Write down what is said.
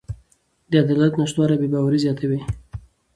د عدالت نشتوالی بې باوري زیاتوي